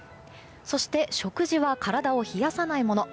そして食事は体を冷やさないもの。